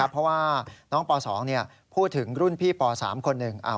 เพราะว่าน้องป๒พูดถึงรุ่นพี่ป๓คนหนึ่ง